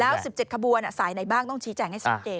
แล้ว๑๗ขบวนสายไหนบ้างต้องชี้แจงให้ชัดเจน